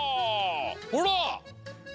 ほら！